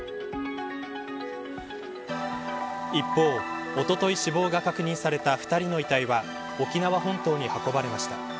一方、おととい死亡が確認された２人の遺体は沖縄本島に運ばれました。